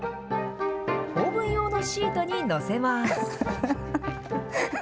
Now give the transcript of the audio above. オーブン用のシートに載せます。